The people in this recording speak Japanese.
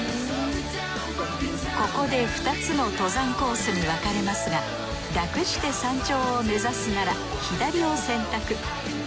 ここで２つの登山コースに分かれますが楽して山頂を目指すなら左を選択。